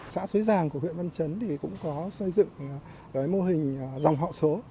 xã xúi giàng của huyện văn chấn cũng có xây dựng mô hình dòng họ số